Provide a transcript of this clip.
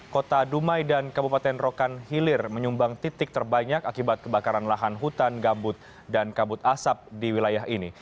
kota dumai dan kabupaten rokan hilir menyumbang titik terbanyak akibat kebakaran lahan hutan gambut dan kabut asap di wilayah ini